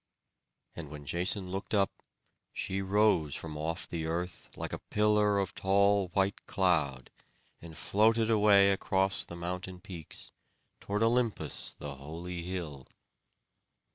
And when Jason looked up, she rose from off the earth, like a pillar of tall white cloud, and floated away across the mountain peaks, toward Olympus the holy hill.